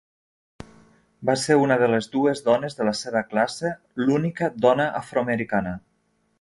Va ser una de les dues dones de la seva classe, l'única dona afroamericana.